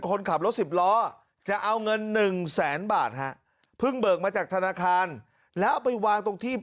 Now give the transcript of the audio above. คนขับรถสิบล้อจะเอาเงิน๑แสนบาทฮะเพิ่งเบิกมาจากธนาคารแล้วเอาไปวางตรงที่